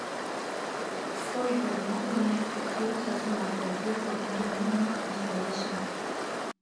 Foi por mor dunha infección tras unha operación por un tumor non canceríxeno.